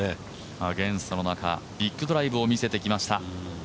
アゲンストの中ビッグドライブを見せてきました。